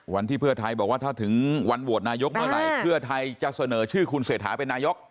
วันที่เพื่อไทยบอกว่าถ้าถึงวันโหวตนายกเมื่อไหร่เพื่อไทยจะเสนอชื่อคุณเศรษฐาเป็นนายก